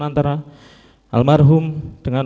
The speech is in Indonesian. antara almarhum dengan